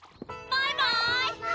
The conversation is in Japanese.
バイバーイ！